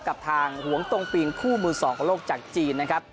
กับทางหวงตรงปิงคู่มือสองของโลกจากจีนนะครับ